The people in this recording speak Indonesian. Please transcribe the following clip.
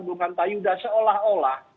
bung antayu sudah seolah olah